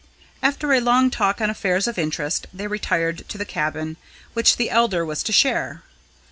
After a long talk on affairs of interest, they retired to the cabin, which the elder was to share.